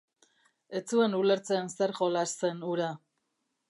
Ez zuen ulertzen zer jolas zen hura.